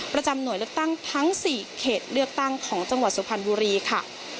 ประจำหน่วยเลือกตั้งทั้ง๔เขตเลือกตั้งของจังหวัดสุพรรณบุรีค่ะ